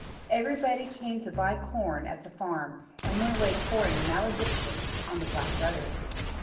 Everybody came to buy corn at the farm, and went away pouring maledictions on the Black Brothers.